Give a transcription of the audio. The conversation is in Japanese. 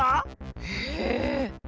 へえ。